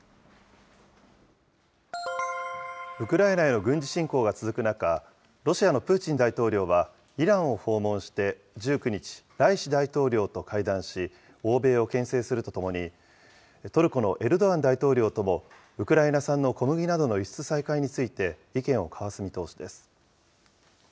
ウクライナへの軍事侵攻が続く中、ロシアのプーチン大統領はイランを訪問して、１９日、ライシ大統領と会談し、欧米をけん制するとともに、トルコのエルドアン大統領とも、ウクライナ産の小麦などの輸出再開について意見を交わす見通しです。